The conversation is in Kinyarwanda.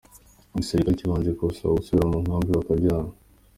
Igisilikari kibanje kubasaba gusubira mu nkambi bakabyanga.